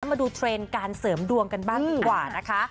มาดูเทรนด์การเสริมดวงกันบ้างดีกว่านะคะ